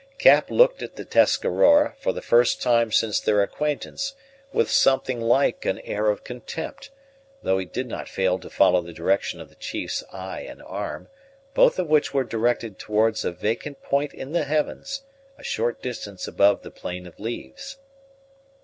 Cap looked at the Tuscarora, for the first time since their acquaintance, with something like an air of contempt, though he did not fail to follow the direction of the chief's eye and arm, both of which were directed towards a vacant point in the heavens, a short distance above the plain of leaves.